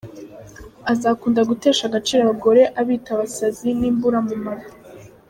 Azakunda gutesha agaciro abagore abita abasazi n’imburamumaro.